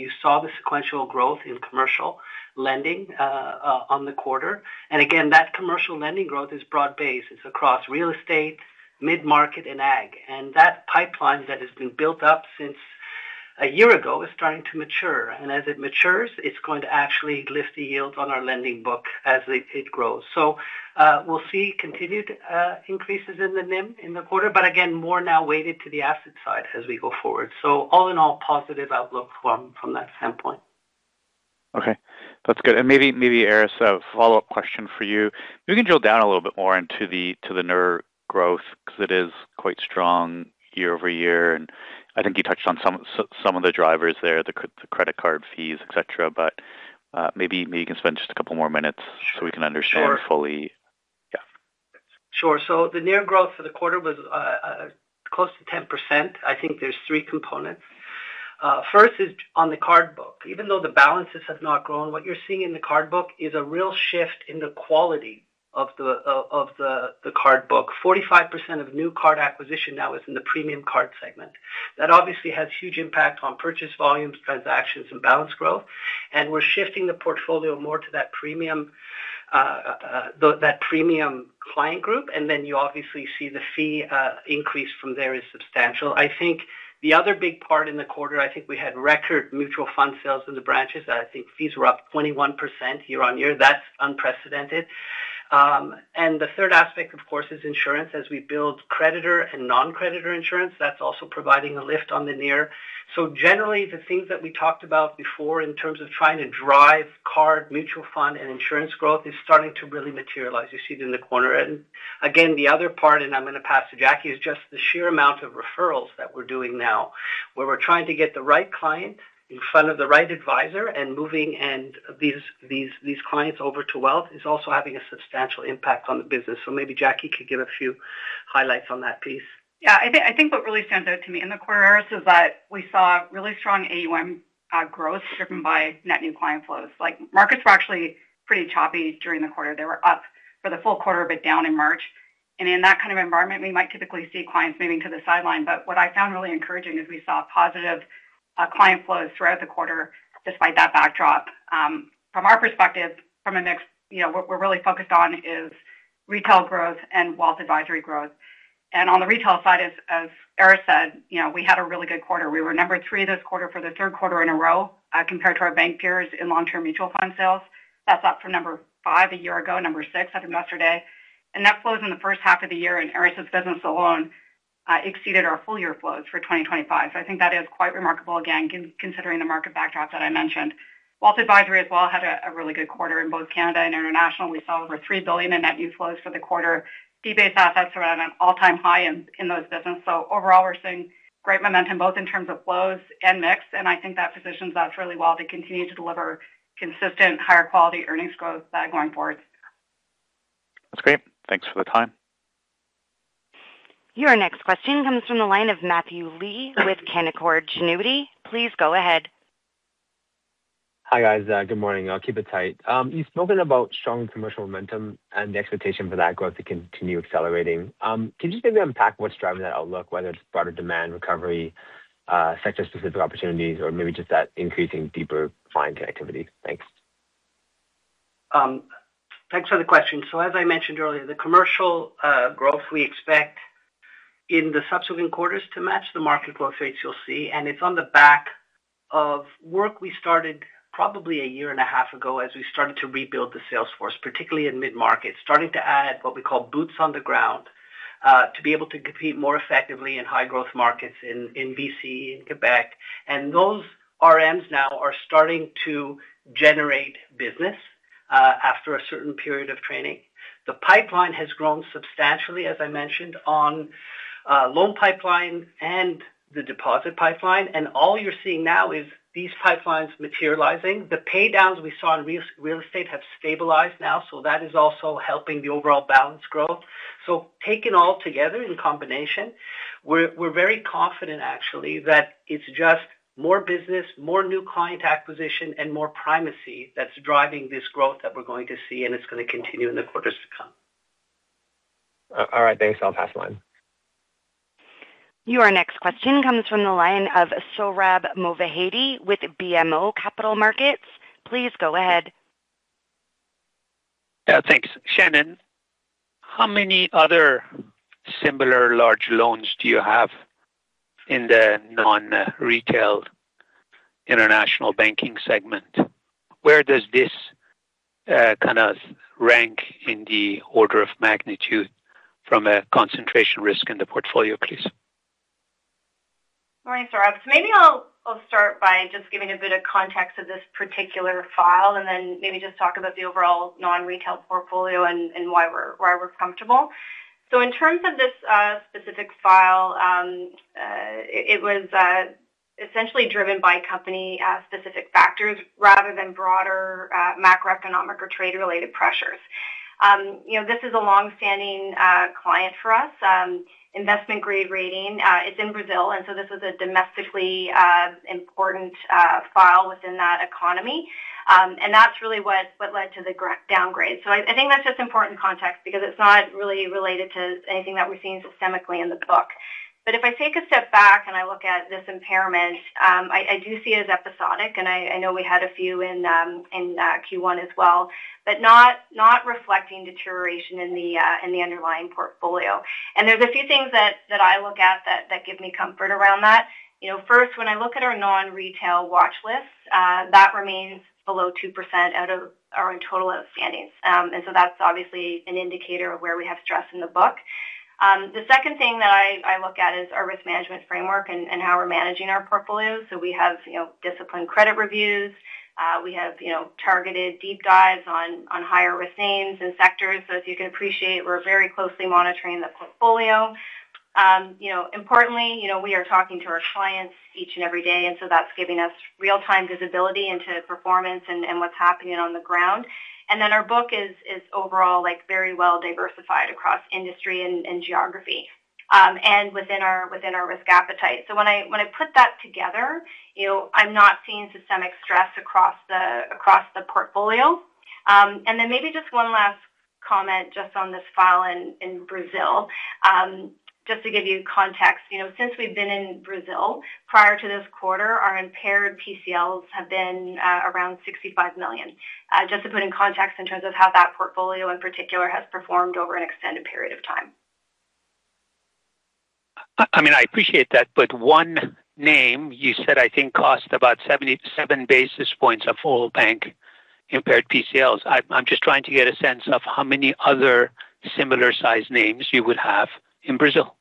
You saw the sequential growth in commercial lending on the quarter. That commercial lending growth is broad-based. It's across real estate, mid-market, and ag. That pipeline that has been built up since a year ago is starting to mature. As it matures, it's going to actually lift the yield on our lending book as it grows. We'll see continued increases in the NIM in the quarter, but again, more now weighted to the asset side as we go forward. All in all, positive outlook from that standpoint. Okay. That's good. Maybe, Aris, a follow-up question for you. Maybe you can drill down a little bit more into the NIR growth, because it is quite strong year-over-year, and I think you touched on some of the drivers there, the credit card fees, et cetera. Maybe you can spend just a couple more minutes so we can understand fully Sure. The NIR growth for the quarter was close to 10%. I think there's three components. First is on the card book. Even though the balances have not grown, what you're seeing in the card book is a real shift in the quality of the card book. 45% of new card acquisition now is in the premium card segment. That obviously has huge impact on purchase volumes, transactions, and balance growth. We're shifting the portfolio more to that premium client group. You obviously see the fee increase from there is substantial. I think the other big part in the quarter, I think we had record mutual fund sales in the branches. I think fees were up 21% year-over-year. That's unprecedented. The third aspect, of course, is insurance. As we build creditor and non-creditor insurance, that's also providing a lift on the NIR. Generally, the things that we talked about before in terms of trying to drive card, mutual fund, and insurance growth is starting to really materialize. You see it in the quarter. Again, the other part, and I'm going to pass to Jacqui, is just the sheer amount of referrals that we're doing now, where we're trying to get the right client in front of the right advisor and moving these clients over to wealth is also having a substantial impact on the business. Maybe Jacqui could give a few highlights on that piece. Yeah, I think what really stands out to me in the quarter, Aris, is that we saw really strong AUM growth driven by net new client flows. Like markets were actually pretty choppy during the quarter. They were up for the full quarter, but down in March. In that kind of environment, we might typically see clients moving to the sideline. What I found really encouraging is we saw positive client flows throughout the quarter despite that backdrop. From our perspective, from a mix, what we're really focused on is retail growth and wealth advisory growth. On the retail side, as Aris said, we had a really good quarter. We were number three this quarter for the third quarter in a row compared to our bank peers in long-term mutual fund sales. That's up from number five a year ago, number six at Investor Day. Net flows in the first half of the year in Aris' business alone exceeded our full-year flows for 2025. I think that is quite remarkable, again, considering the market backdrop that I mentioned. Wealth advisory as well had a really good quarter in both Canada and International. We saw over 3 billion in net new flows for the quarter. Fee-based assets are at an all-time high in those business. Overall, we're seeing great momentum both in terms of flows and mix, and I think that positions us really well to continue to deliver consistent higher quality earnings growth going forward. That's great. Thanks for the time. Your next question comes from the line of Matthew Lee with Canaccord Genuity. Please go ahead. Hi, guys. Good morning. I'll keep it tight. You've spoken about strong commercial momentum and the expectation for that growth to continue accelerating. Can you just maybe unpack what's driving that outlook, whether it's broader demand recovery, sector-specific opportunities, or maybe just that increasing deeper client activity? Thanks. Thanks for the question. As I mentioned earlier, the commercial growth we expect in the subsequent quarters to match the market growth rates you'll see, and it's on the back of work we started probably a year and a half ago as we started to rebuild the sales force, particularly in mid-market, starting to add what we call boots on the ground to be able to compete more effectively in high growth markets in BC, in Quebec. Those RMs now are starting to generate business after a certain period of training. The pipeline has grown substantially, as I mentioned, on loan pipeline and the deposit pipeline. All you're seeing now is these pipelines materializing. The pay-downs we saw in real estate have stabilized now, so that is also helping the overall balance growth. Taken all together in combination, we're very confident actually that it's just more business, more new client acquisition, and more primacy that's driving this growth that we're going to see and it's going to continue in the quarters to come. All right. Thanks. I'll pass the line. Your next question comes from the line of Sohrab Movahedi with BMO Capital Markets. Please go ahead. Yeah, thanks. Shannon, how many other similar large loans do you have in the non-retail International Banking segment? Where does this kind of rank in the order of magnitude from a concentration risk in the portfolio, please? Morning, Sohrab. Maybe I'll start by just giving a bit of context of this particular file and then maybe just talk about the overall non-retail portfolio and why we're comfortable. In terms of this specific file, it was essentially driven by company-specific factors rather than broader macroeconomic or trade-related pressures. This is a long-standing client for us, investment-grade rating. It's in Brazil, and so this is a domestically important file within that economy. That's really what led to the downgrade. I think that's just important context because it's not really related to anything that we've seen systemically in the book. If I take a step back and I look at this impairment, I do see it as episodic, and I know we had a few in Q1 as well, but not reflecting deterioration in the underlying portfolio. There's a few things that I look at that give me comfort around that. First, when I look at our non-retail watch list, that remains below 2% out of our total outstandings. That's obviously an indicator of where we have stress in the book. The second thing that I look at is our risk management framework and how we're managing our portfolios. We have disciplined credit reviews. We have targeted deep dives on higher risk names and sectors. As you can appreciate, we're very closely monitoring the portfolio. Importantly, we are talking to our clients each and every day. That's giving us real time visibility into performance and what's happening on the ground. Our book is overall very well diversified across industry and geography, and within our risk appetite. When I put that together, I'm not seeing systemic stress across the portfolio. Maybe just one last comment just on this file in Brazil. Just to give you context, since we've been in Brazil, prior to this quarter, our impaired PCLs have been around 65 million. Just to put in context in terms of how that portfolio in particular has performed over an extended period of time. I appreciate that, one name you said, I think, cost about 77 basis points of whole bank impaired PCLs. I'm just trying to get a sense of how many other similar size names you would have in Brazil.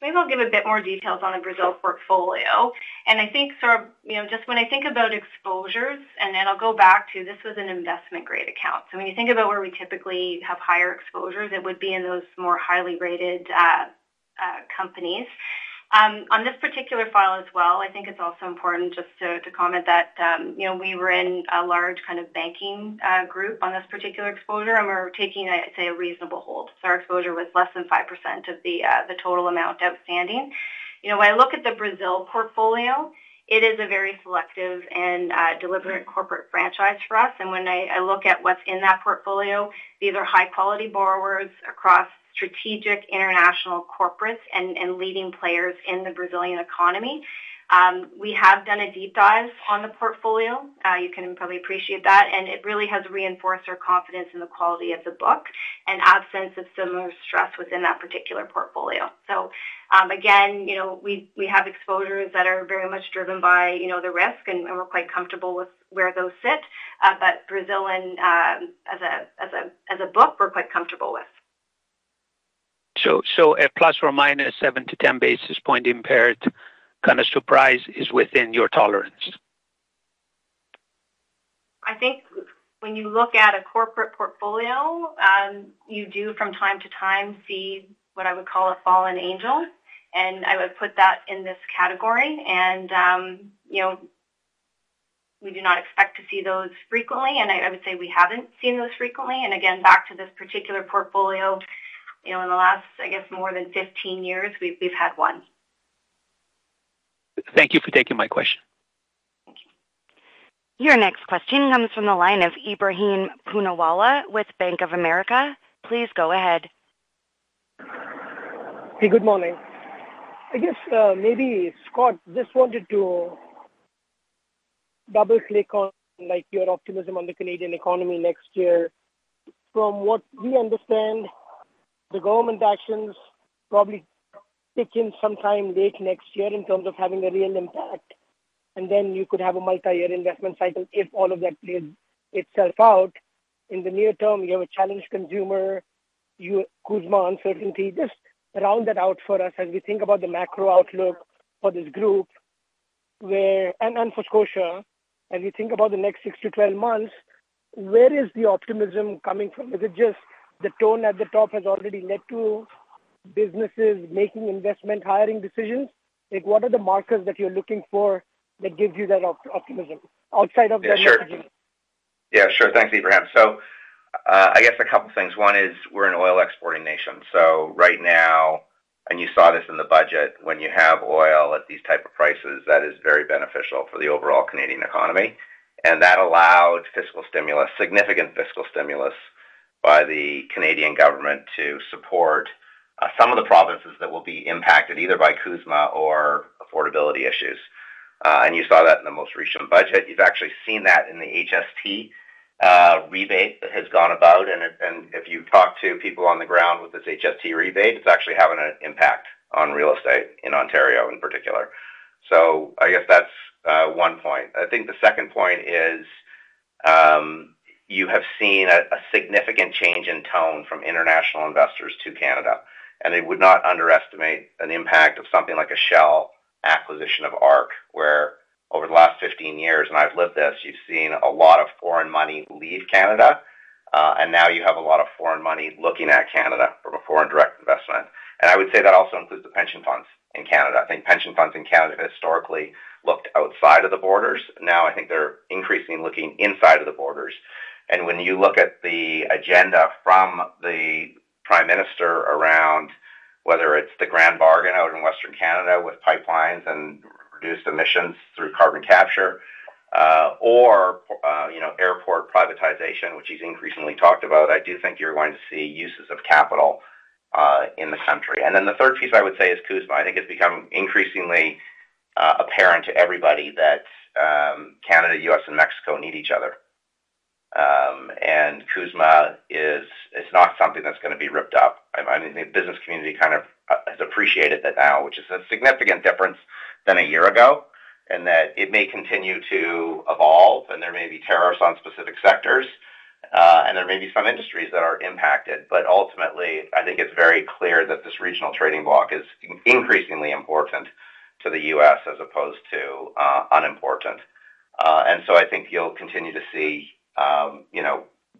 Maybe I'll give a bit more details on the Brazil portfolio. When I think about exposures, and then I'll go back to this was an investment grade account. When you think about where we typically have higher exposures, it would be in those more highly rated companies. On this particular file as well, I think it's also important just to comment that we were in a large kind of banking group on this particular exposure, and we're taking, say, a reasonable hold. Our exposure was less than 5% of the total amount outstanding. When I look at the Brazil portfolio, it is a very selective and deliberate corporate franchise for us. When I look at what's in that portfolio, these are high-quality borrowers across strategic international corporates and leading players in the Brazilian economy. We have done a deep dive on the portfolio. You can probably appreciate that, and it really has reinforced our confidence in the quality of the book and absence of similar stress within that particular portfolio. Again, we have exposures that are very much driven by the risk, and we're quite comfortable with where those sit. Brazil as a book, we're quite comfortable with. A ±7-10 basis point impaired kind of surprise is within your tolerance? I think when you look at a corporate portfolio, you do from time to time see what I would call a fallen angel, and I would put that in this category. We do not expect to see those frequently, and I would say we haven't seen those frequently. Again, back to this particular portfolio, in the last, I guess, more than 15 years, we've had one. Thank you for taking my question. Thank you. Your next question comes from the line of Ebrahim Poonawala with Bank of America. Please go ahead. Hey, good morning. I guess maybe, Scott, just wanted to double-click on your optimism on the Canadian economy next year. From what we understand, the government actions probably kick in sometime late next year in terms of having a real impact, and then you could have a multi-year investment cycle if all of that plays itself out. In the near term, you have a challenged consumer, CUSMA uncertainty. Just round that out for us as we think about the macro outlook for this group and for Scotia. As we think about the next six months-12 months, where is the optimism coming from? Is it just the tone at the top has already led to businesses making investment hiring decisions? What are the markers that you're looking for that gives you that optimism outside of the messaging? Sure. Thanks, Ebrahim. I guess a couple things. One is we're an oil exporting nation, and you saw this in the budget. When you have oil at these type of prices, that is very beneficial for the overall Canadian economy, and that allowed fiscal stimulus, significant fiscal stimulus by the Canadian government to support some of the provinces that will be impacted either by CUSMA or affordability issues. You saw that in the most recent budget. You've actually seen that in the HST rebate that has gone about, and if you talk to people on the ground with this HST rebate, it's actually having an impact on real estate in Ontario in particular. I guess that's one point. I think the second point is you have seen a significant change in tone from international investors to Canada. I would not underestimate an impact of something like a Shell acquisition of ARC, where over the last 15 years, and I've lived this, you've seen a lot of foreign money leave Canada. Now you have a lot of foreign money looking at Canada from a foreign direct investment. I would say that also includes the pension funds in Canada. I think pension funds in Canada historically looked outside of the borders. Now I think they're increasingly looking inside of the borders. When you look at the agenda from the Prime Minister around whether it's the grand bargain out in Western Canada with pipelines and reduced emissions through carbon capture, or airport privatization, which he's increasingly talked about, I do think you're going to see uses of capital in the country. The third piece I would say is CUSMA. I think it's become increasingly apparent to everybody that Canada, U.S., and Mexico need each other. CUSMA is not something that's going to be ripped up. I think the business community kind of has appreciated that now, which is a significant difference than a year ago, and that it may continue to evolve and there may be tariffs on specific sectors, and there may be some industries that are impacted. Ultimately, I think it's very clear that this regional trading bloc is increasingly important to the U.S. as opposed to unimportant. I think you'll continue to see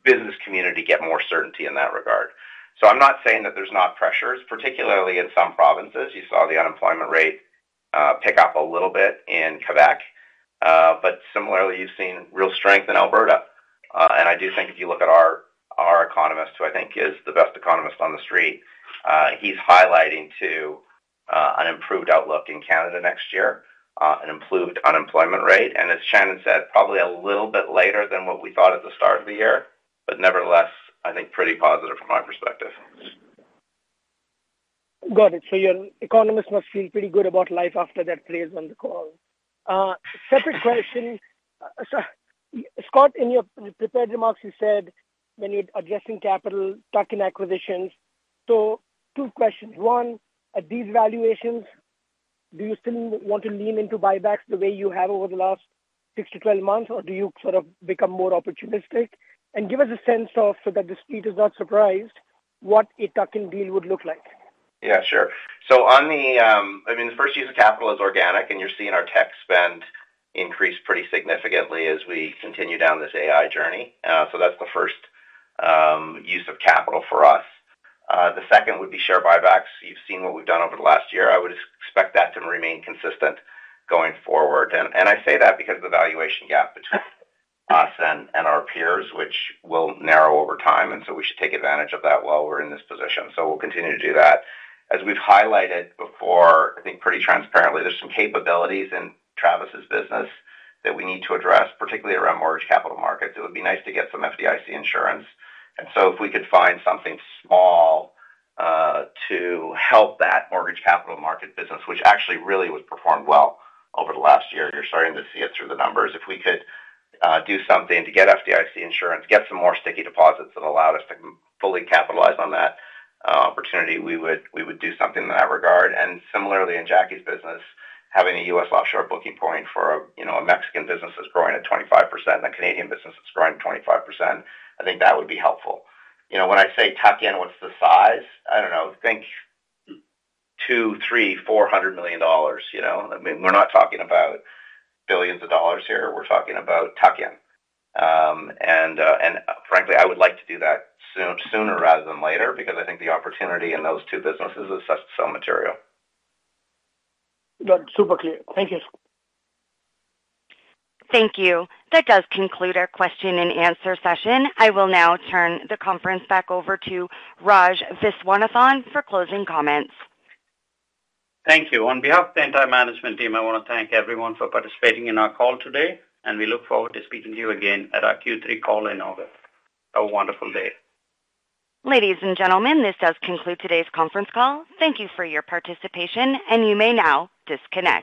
business community get more certainty in that regard. I'm not saying that there's not pressures, particularly in some provinces. You saw the unemployment rate pick up a little bit in Quebec. Similarly, you've seen real strength in Alberta. I do think if you look at our economist, who I think is the best economist on the street, he's highlighting too an improved outlook in Canada next year, an improved unemployment rate, and as Shannon said, probably a little bit later than what we thought at the start of the year. Nevertheless, I think pretty positive from my perspective. Got it. Your economist must feel pretty good about life after that praise on the call. Separate question. Scott, in your prepared remarks, you said we need adjusting capital, tuck-in acquisitions. Two questions. One, at these valuations, do you still want to lean into buybacks the way you have over the last six to 12 months, or do you sort of become more opportunistic? Give us a sense of, so that the street is not surprised, what a tuck-in deal would look like. Sure. The first use of capital is organic, and you're seeing our tech spend increase pretty significantly as we continue down this AI journey. That's the first use of capital for us. The second would be share buybacks. You've seen what we've done over the last year. I would expect that to remain consistent going forward. I say that because the valuation gap between us and our peers, which will narrow over time, and so we should take advantage of that while we're in this position. We'll continue to do that. As we've highlighted before, I think pretty transparently, there's some capabilities in Travis's business that we need to address, particularly around mortgage capital markets. It would be nice to get some FDIC insurance. If we could find something small to help that mortgage capital market business, which actually really performed well over the last year, and you're starting to see it through the numbers. If we could do something to get FDIC insurance, get some more sticky deposits that allowed us to fully capitalize on that opportunity, we would do something in that regard. Similarly, in Jacqui's business, having a U.S. offshore booking point for a Mexican business that's growing at 25% and a Canadian business that's growing at 25%, I think that would be helpful. When I say tuck-in, what's the size? I don't know. Think $200 million, $300 million, $400 million. We're not talking about billions of dollars here. We're talking about tuck-in. Frankly, I would like to do that sooner rather than later because I think the opportunity in those two businesses is so material. Got it. Super clear. Thank you. Thank you. That does conclude our question and answer session. I will now turn the conference back over to Raj Viswanathan for closing comments. Thank you. On behalf of the entire management team, I want to thank everyone for participating in our call today, and we look forward to speaking to you again at our Q3 call in August. Have a wonderful day. Ladies and gentlemen, this does conclude today's conference call. Thank you for your participation, you may now disconnect.